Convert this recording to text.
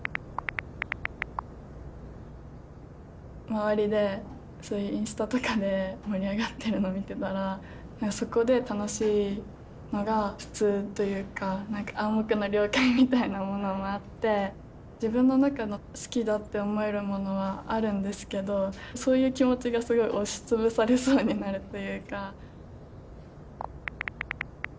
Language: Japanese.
周りでインスタとかで盛り上がってるのを見てたらそこで楽しいのが普通というかなんか暗黙の了解みたいなものもあって自分の中の好きだって思えるものはあるんですけどそういう気持ちがすごい押し潰されそうになるというか。